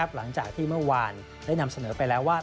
หลังจากที่เมื่อวานได้นำเสนอไปแล้วว่า